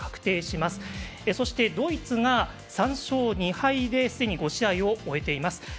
そして、ドイツが３勝２敗ですでに５試合を終えています。